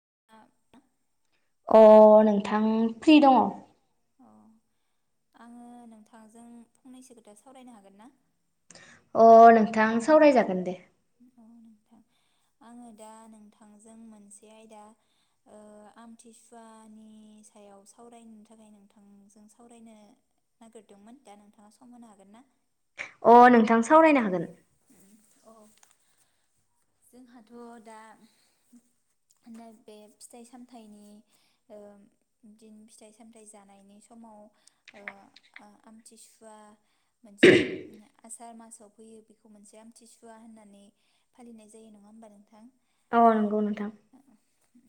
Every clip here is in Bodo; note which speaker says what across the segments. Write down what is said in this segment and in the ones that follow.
Speaker 1: [unintelligible]
Speaker 2: अ नोंथां फ्रि दङ।
Speaker 1: अ आङो नोंथांजों फंनैसो खोथा सावरायनो हागोन ना?
Speaker 2: अ नोंथां सावरायजागोन दे।
Speaker 1: औ नोंथां आङो दा नोंथांजों मोनसे आयदा ओ आमथिसुवानि सायाव सावरायनो थाखाय नोंथांजों सावरायनो नागिरदोंमोन दा नोंथाङा सम होनो हागोन ना
Speaker 2: अ नोंथां सावरायनो हागोन
Speaker 1: औ जोंहाथ' दा नैबे फिथाइ सामथाइनि ओ दिन फिथाइ सामथाइ जानायनि समाव ओ आमथिसुवा मोनसे। आसार मासाव फैयो बेखौ मोनसे आमथिसुवा होननानै फालिनाय जायो नङा होमबा नोंथां।
Speaker 2: औ
Speaker 1: दा
Speaker 2: नंगौ नोंथां।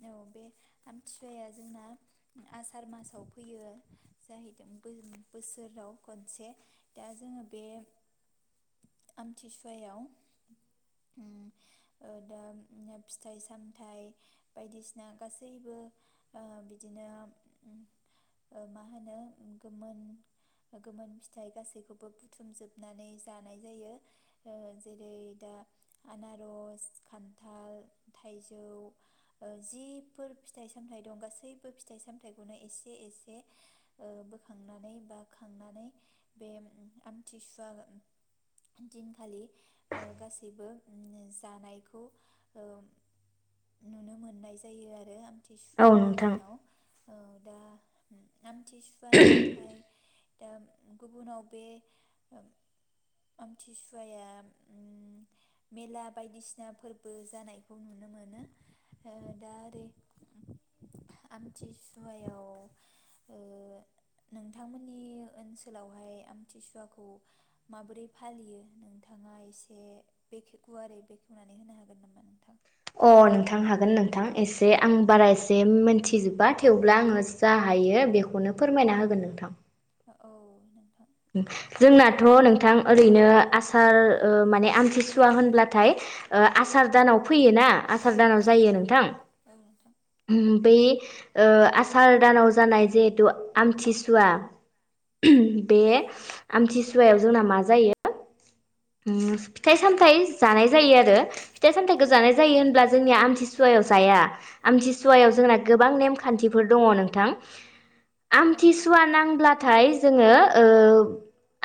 Speaker 1: औ बे आमथिसुवाया जोंना आसार मासाव फैयो जाहैदों बो बोसोराव खनसे दा जोङो बे आमथिसुवायाव उम। दा फिथाइ सामथाइ बायदिसिना गासैबो बिदिनो ओ मा होनो गोमोन गोमोन फिथाइ गासैखौबो बुथुमजोबनानै जानाय जायो जेरै दा आनार आरज खान्थाल थाइजौ जिफोर फिथाइ सामथाइ दं गासैबो फिथाइ सामथाइखौनो एसे एसे बोखांनानै बा खांनानै बे आमथिसुवा दिनखालि ओ गासैबो जानायखौ औ नुनो मोननाय जायो आरो।
Speaker 2: औ
Speaker 1: आथिसुवानि
Speaker 2: नोंथां
Speaker 1: दिनाव। आमथि सुवानि थाखाय दा गुबुनाव बे आमथिसुवाया उम मेला बायदिसिना फोरबो जानायखौ नुनो मोनो दा ओरै आमथिसुवायाव ओ नोंथांमोननि ओनसोलावहाय आमथिसुवाखौ माबोरै फालियो नोंथाङा एसे। बेखो गुवारै बेखेवनानै होनो हागोन नामा नोंथां
Speaker 2: अ नोंथां हागोन नोंथां एसे आं बारा एसे मोनथिजोबा थेवब्ला आङो जा हायो बेखौनो फोरमायना होगोन नोंथां।
Speaker 1: औ नोंथां।
Speaker 2: जोंनाथ नोंथां ओरैनो आसार माने आमथिसुवा होनब्लाथाय आसार दानाव फैयो ना। आसार दानाव
Speaker 1: औ
Speaker 2: जायो नोंथां।
Speaker 1: औ नोंथां
Speaker 2: बै ओ आसार दानाव जानाय जिहेतु आमथिसुवा। बे
Speaker 1: औ
Speaker 2: आमथि सु सुवायाव जोंना मा जायो? ओम फिथाइ सामथाय जानाय जायोआरो फिथाइ सामथाइखौ
Speaker 1: औ
Speaker 2: जानाय जायो होनब्ला जोंनि
Speaker 1: नोंथां
Speaker 2: आमथिसु सुवायाव जाया आमतिसुवायाव जोंना गोबां नेमखान्थिफोर दङ नोंथां।
Speaker 1: औ
Speaker 2: आमथिसुवा नांब्लाथाय जोङो ओ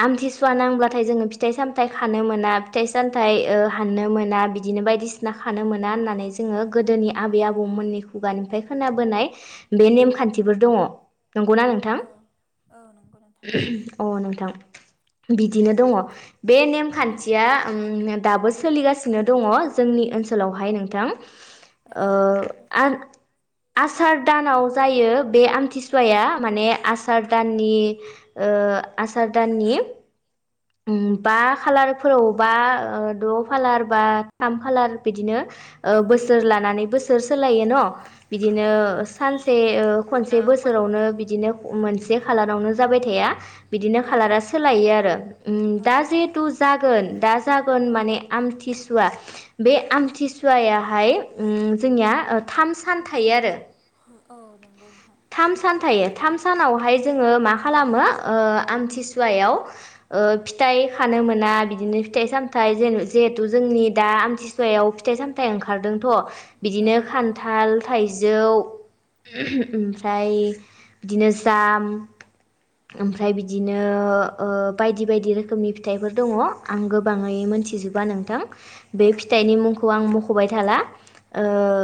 Speaker 2: आमथि सुवा नांब्लाथाय जोङो फिथाइ साम थाइ खानो मोना फिथाइ सामथाइ ओ हाननो मोना बिदिनो बायदिसिना खानो मोना होननानै जोङो गोदोनि आबै आबौमोननि खुगानिफ्राय खोनाबोनाय बे नेमखान्थिफोर दङ। नंगौना नोंथां?
Speaker 1: नंगौ नोंथां
Speaker 2: अ नोंथां बिदिनो दङ। बे नेमखान्थिया ओम दाबो सोलिगासिनो दङ जोंनि ओनसोलावहाय नोंथां। ओ
Speaker 1: औ नोंथां
Speaker 2: आ आसार दानाव जायो बे आमथिसुवाया माने आसार दाननि ओ आसार दाननि ओम। बा खालारफोरावबा ओ द खालार बा थाम खालार बिदिनो बोसोर लानानै बोसोर सोलायो न।
Speaker 1: औ
Speaker 2: बिदिनो
Speaker 1: नंगौ नोंथां
Speaker 2: सानसे
Speaker 1: औ
Speaker 2: खनसे बोसोरावनो बिदिनो मोनसे खालारावनो जाबाय थाया बिदिनो
Speaker 1: औ
Speaker 2: खालारा सोलायो आरो ओम जिथु जागोन दा जागोन माने आमथिसुवा बे आमथिसुवायाहाय ओ जोंनिया थाम सान थायो आरो।
Speaker 1: औ नंगौ नोंथां
Speaker 2: थाम सान थायो थाम सानावहाय जों जोङो मा खालामो ओ आमथिसुवायाव फिथाइ खानो मोना बिदिनो फिथाइ सामथाइ जिहेथु जोंनि दा आमथिसुवायाव फिथाइ सामथायाइ ओंखारदोंथ
Speaker 1: औ
Speaker 2: बिदिनो
Speaker 1: नंगौ नोंथां
Speaker 2: खान्थाल थाइजौ आमफ्राय बिदिनो जाम आमफ्राय बिदिनो बायदि बायदि रोखोमनि फिथाइफोर दंङ आं
Speaker 1: औ
Speaker 2: गोबाङै मोनथिजोबा नोंथां बे
Speaker 1: नंगौ
Speaker 2: फिथाइनि
Speaker 1: नोंथां
Speaker 2: मुंखौ आं मखबाय थाला ओ
Speaker 1: औ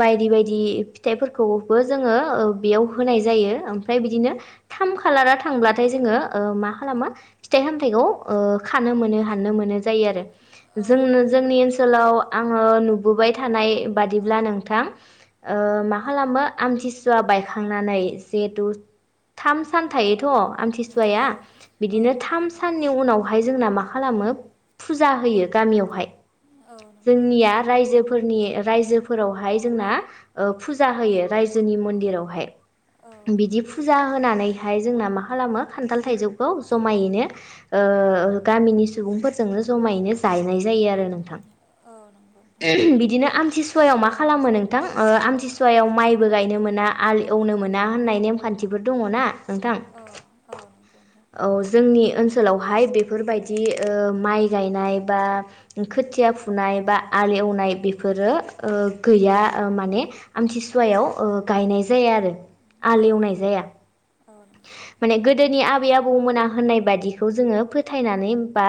Speaker 2: बायदि बायदि। बि फिथाइफोर खौबो जोङो बेयाव होनाय जायो आमफ्राय बिदिनो थाम खालारा थांब्लाथाय जोङो ओ मा खालामो फिथाइ सामथायाइखौ खानो मोनो हाननो मोनो जायो आरो।
Speaker 1: औ
Speaker 2: जोंनो
Speaker 1: नंगौ
Speaker 2: जोंनि
Speaker 1: नोंथां
Speaker 2: ओनसोलाव आङो नुबोबाय थानाय बादिब्ला नोंथां ओ मा मा खालामो आमथिसुवा बायखांनानै जिहेथु थाम सान थायोथ आमथिसुवाया
Speaker 1: औ औ
Speaker 2: बिदिनो
Speaker 1: नंगौ
Speaker 2: थाम
Speaker 1: नोंथां
Speaker 2: साननि उनावहाय जोंना मा खालामो फुजा होयो गामियावहाय
Speaker 1: औ नंगौ
Speaker 2: जोंनिया रायजोफोरनि राइजोफोरावहाय जोंना ओ फुजा होयो रायजोनि मन्दिरावहाय
Speaker 1: औ
Speaker 2: बिदि फुजा
Speaker 1: नंगौ नोंथां
Speaker 2: [unintelligible] सुवायाव माइबो गायनो मोना हाल एवनो मोना होननाय नेमखान्थिफोर दङना। नोंथां
Speaker 1: औ औ नंगौ नोंथां औ नंगौ
Speaker 2: औ जोंनि ओनसोल ओनसोलावहाय बेफोरबायदि ओ माइ गायनाय बा खोथिया फुनाय बा हालौनाय बेफोरो गैया माने
Speaker 1: नोंथां
Speaker 2: आमथिसुवायाव गायनाय जाया आरो। आलेवनाय जाया
Speaker 1: औ नंगौ
Speaker 2: माने गोदोनि आ आबै आबौ मोनहा होननाय बादिखौ जोङो फोथायनानै बा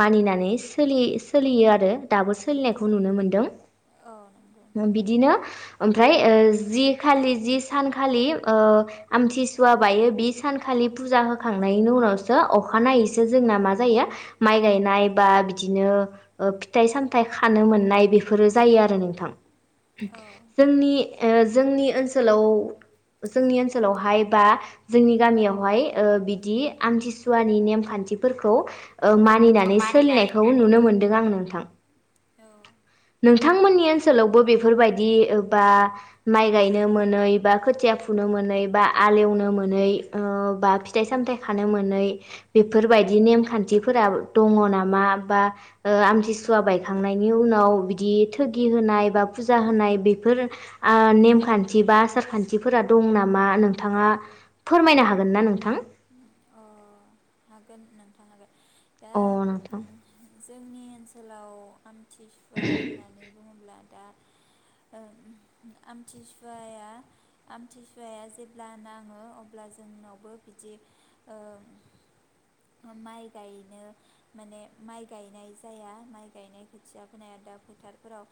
Speaker 2: मानिनानै सोलियो आरो दाबो सोलिनायखौ नुनो मोनदों
Speaker 1: औ
Speaker 2: बिदिनो ओमफ्राय जि खालि जि सान खालि ओ आमथिसुवा सुवा बायो बि सानखालि फुजा होखांनायनि उनावसो अखानायैसो जोंना मा जायो माइ गायनाय बा बिदिनो फिथाइ सामथाइ खानो मोननाय बेफोरो जायो आरो नोंथां जोंनि ओ जोंनि ओनसोलाव जोंनि ओनसोलावहाय बा जोंनि गामियावहाय ओ बिदि आमथिसुवानि नेमखान्थिफोरखौ ओ मानिनानै
Speaker 1: मानिनानै
Speaker 2: सोलिनायखौ नुनो मोनदों आं नोंथां नोंथांमोननि ओनसोलावबो बेफोरबायदि बा माइ गायनो मोनै बा खोथिया फुनो मोनै बा हालेवनो मोनै बा फिथाइ सामथायाइ खानो मोनै बेफोरबायदि नेमखान्थिफोरा दङ नामा बा आमथिसुवानि बायखांनायनि उनाव बिदि थगि होनाय बा फुजा होनाय बेफोर ओ नेमखान्थि बा आसार खान्थिफोरा दं नामा नों नोंथाङा फोरमायनो हागोन ना नोंथां
Speaker 1: अ हागोन नोंथां हागोन दा
Speaker 2: अ नोंथां।
Speaker 1: जोंनि ओनसोलाव थिसुवा होननानै बुङोब्ला दा ओ आमथिसुवाया आमथिसुवाया जेब्ला नांङो अब्ला जोंनावबो बिदि ओ माइ गायनो माने माइ गायनाय जाया माइ गायनाय खोथिया फोनाया दा फोथारफोराव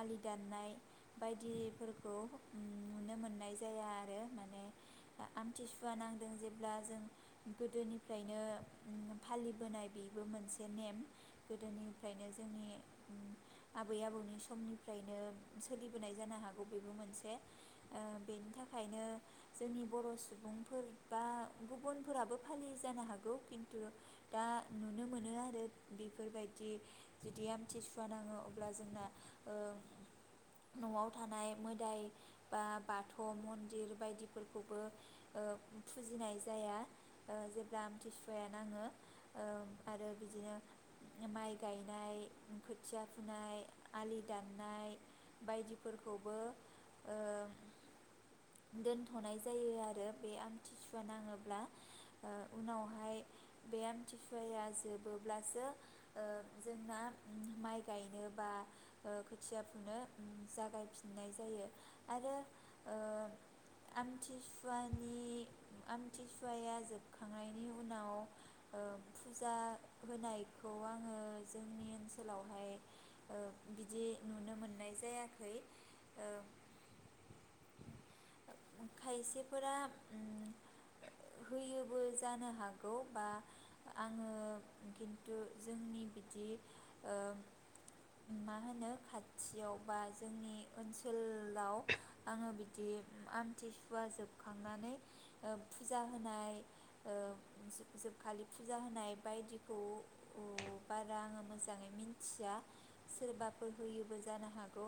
Speaker 1: आलि दाननाय बायदिफोरखौ नुनो मोननाय जाया आरो माने आमथिसुवा नांदों जेब्ला जों गोदोनिफ्रायनो फालिबोनाय बेबो मोनसे नेम गोदोनिफ्रायनो जोंनि आबै आबौनि समनिफ्रायनो सोलिबोनाय जानो हागौ बेबो मोनसे ओ बेनि थाखायनो जोंनि बर'सुबुंफोर बा गुबुन फोराबो फालि जानो हागौ खिन्थु दा नुनो मोनो आरो बेफोरबायदि जुदि आमथिसुवा नाङो अब्ला जोंना ओ नआव थानाय मोदाइ बा बाथौ मन्दिर बायदिफोरखौबो फुजिनाय जाया। ओ जेब्ला आमथिसुवाया नाङो ओ आरो बिदिनो माइ गायनाय खोथिया फुनाय आलि दाननाय बायदिफोरखौबो ओ दोनथनाय जायो आरो बे आमथिसुवा नाङोब्ला। ओ उनावहाय बे आमथिसुवाया जोबोब्लासो ओ जोंना माइ गायनो बा ओ खोथिया फुनो जागायफिननाय जायो आरो ओ आमथिसुवानि आमथिसु सुवाया जोबखांनायनि उनाव ओ फुजा होनायखौ आङो जोंनि ओनसोलावहाय ओ बिदि नुनो मोननाय जायाखै ओ खायसेफोरा होयोबो जानो हागौ बा आङो खिन्थु जोंनि बिदि ओ मा होनो खाथियाव बा जोंनि ओनसोलाव आङो बिदि आमथिसुवा जोबखांनानै फुजा होनाय ओ जोबखालि फुजा होनाय बायदिखौ उम बारा आङो मोजाङै मिथिया सोरबाफोर होयोबो जानो हागौ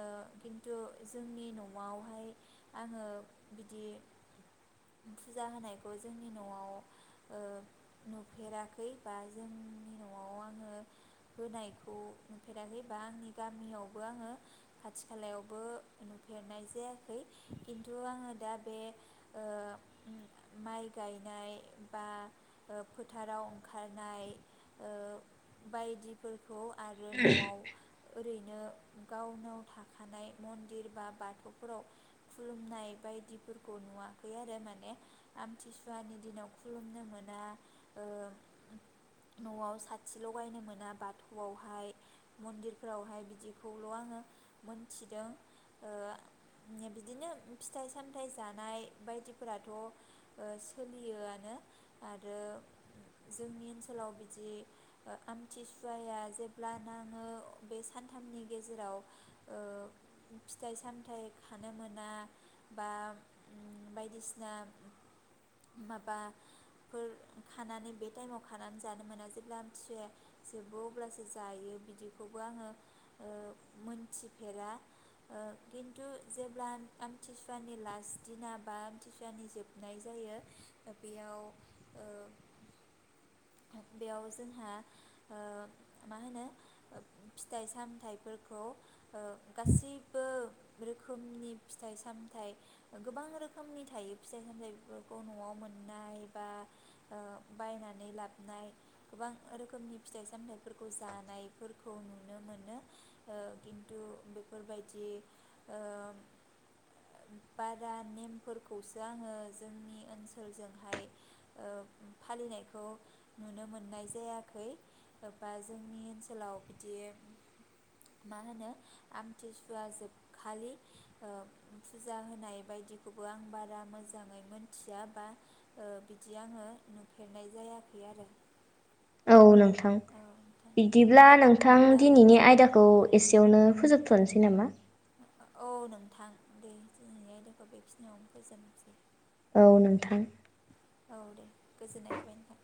Speaker 1: ओ खिन्थु जोंनि नआवहाय आङो बिदि फुजा होनायखौ जोंनि न'आव ओ नुफेराखै बा जोंनि न'आव आङो होनायखौ नुफेराखै बा आंनि गामियावबो आङो खाथि खालायावबो नुफेरनाय जायाखै किन्थु आङो दा बे ओ माइ गायनाय बा फोथाराव ओंखारनाय ओ बायदिफोर खौ आरो नआव ओरैनो नो गावनाव थाखानाय मन्दिर बा बाथौफोराव खुलुमनाय बायदिफोरखौ नुवाखै आरो माने। आमथिसुवानि दिनाव खुलुमनो मोना ओ नआव साथि लगायनो मोना बाथौआवहाय मन्दिरफोरावहाय बिदिखौल' आङो मोनथिदों ओ बिदिनो फिथाइ सामथाइ जानाय बायदिफोराथ ओ सोलियोआनो आरो जोंनि ओनसोलाव बिदि ओ आमथिसुवाया जेब्लानाङो बे सानथामनि गेजेराव ओ फिथाइ सामथायाइ खानो मोना बा बायदिसिना मा बाफोर खानानै बे टाइमाव खानानै जानो मोना जेब्ला आमथिसुवाया जोबो अब्लासो जायो बिदिखौबो आंङो मोनथिफेरा खिन्थु जेब्ला आमथिसुवानि लास्ट दिना बा आमथिसुवानि जोब हनाय जायो बेयाव ओ बेयाव जोंहा ओ मा होनो ओब फिथाइ सामथाइफोरखौ ओ गासैबो रोखोमनि फिथाइ सामथाय गोबां रोखोमनि थायो। फिथाइ सामथाइफोरखौ न'आव मोननाय बा ओ बायनानै लाबनाय गोबां रोखोमनि फिथाइ सामथाइफोरखौ जानायफोरखौ नुनो मोनो ओ किन्थु बेफोरबायदि ओम बारा नेमफोरखौस आङो जोंनि ओनसोलजोंहाय ओ फालिनायखौ नुनो मोननाय जायाखै बा जोंनि ओनसोलाव बिदि मा होनो आमथिसुवा जोबखालि ओ फुजा होनाय बायदिखौबो आं बारा मोजाङै मोनथिया बा ओ बिदि आङो नुफेरनाय जायाखै आरो
Speaker 2: थां
Speaker 1: औ नोंथां
Speaker 2: बिदिब्ला नोंथां
Speaker 1: बिदिब्ला
Speaker 2: दिनैनि आयदाखौ एसे बेयावनो फोजोबथनोसै नामा?
Speaker 1: औ नोंथां दे दिनैनि आयदाखौ बेखिनियावनो फोजोबनोसै।
Speaker 2: औ नोंथां।
Speaker 1: औ दे गोजोननाय थाबाय नोंथां।